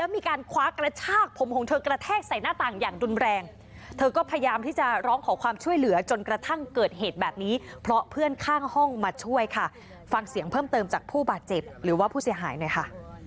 มีการคว้ากระชากผมของเธอกระแทกใส่หน้าต่างอย่างรุนแรงเธอก็พยายามที่จะร้องขอความช่วยเหลือจนกระทั่งเกิดเหตุแบบนี้เพราะเพื่อนข้างห้องมาช่วยค่ะฟังเสียงเพิ่มเติมจากผู้บาดเจ็บหรือว่าผู้เสียหายหน่อยค่ะ